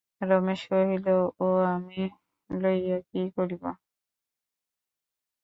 রমেশ কহিল, ও আমি লইয়া কী করিব?